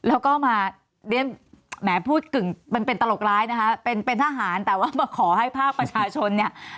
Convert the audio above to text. แล้วก็มาแหมพูดกึ่งมันเป็นตลกร้ายนะคะเป็นทหารแต่ว่ามาขอให้ภาพประชาชน